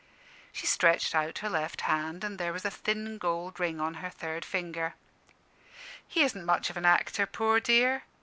She stretched out her left hand; and there was a thin gold ring on her third finger. "He isn't much of an actor, poor dear.